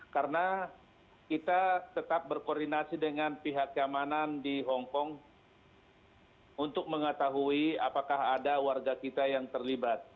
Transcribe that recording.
karena kita tetap berkoordinasi dengan pihak keamanan di hongkong untuk mengetahui apakah ada warga kita yang terlibat